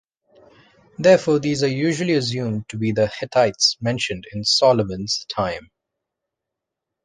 Therefore these are usually assumed to be the Hittites mentioned in Solomon's time.